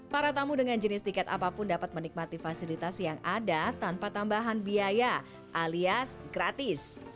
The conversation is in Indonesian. para tamu dengan jenis tiket apapun dapat menikmati fasilitas yang ada tanpa tambahan biaya alias gratis